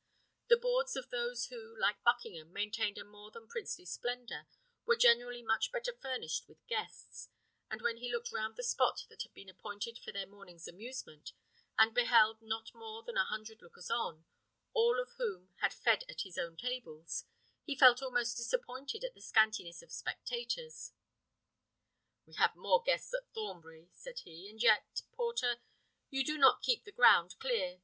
The boards of those who, like Buckingham, maintained a more than princely splendour, were generally much better furnished with guests; and when he looked round the spot that had been appointed for their morning's amusement, and beheld not more than a hundred lookers on, all of whom had fed at his own tables, he felt almost disappointed at the scantiness of spectators. "We have more guests at Thornbury," said he; "and yet, porter, you do not keep the ground clear.